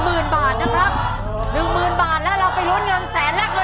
เข้ามาร้อนเงินแสนและกลอนล้านกันต่อในข้อสามและข้อสี่